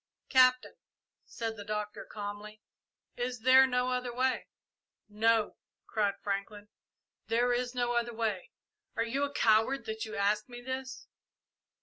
"Captain," said the Doctor, calmly, "is there no other way?" "No," cried Franklin; "there is no other way! Are you a coward that you ask me this?"